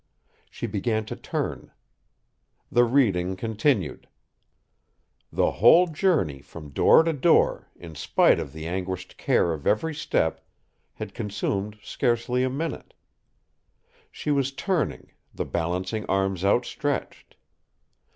She began to turn. The reading continued. The whole journey from door to door, in spite of the anguished care of every step, had consumed scarcely a minute. She was turning, the balancing arms outstretched.